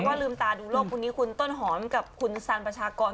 ก็ลืมตาดูโลกคนนี้คุณต้นหอมกับคุณสันประชากร